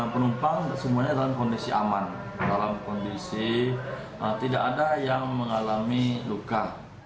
penumpang semuanya dalam kondisi aman dalam kondisi tidak ada yang mengalami luka